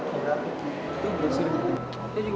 itu juga sudah dibuang